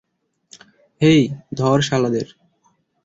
হেই, ধর শালাদের।